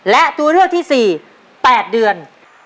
และตัวเลือกที่๔๘เดือน